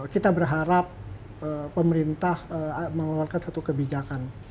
kita berharap pemerintah mengeluarkan satu kebijakan